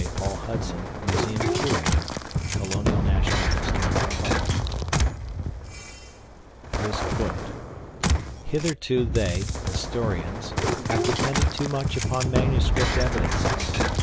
PAUL HUDSON Museum Curator, Colonial National Historical Park "Hitherto they [historians] have depended too much upon manuscript evidences...